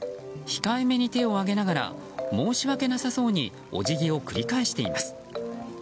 控えめに手を上げながら申し訳なさそうにお辞儀を繰り返しています。